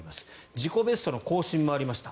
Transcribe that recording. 自己ベストの更新もありました。